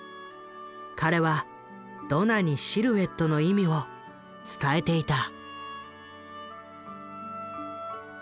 彼はドナにシルエットの意味を伝えていた。